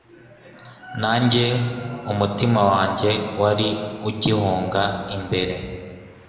Nanjye umutima wanjye wari ugihunga imbere